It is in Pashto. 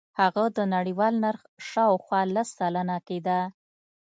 هغه د نړیوال نرخ شاوخوا لس سلنه کېده.